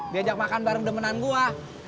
diajak makan bareng demenan gue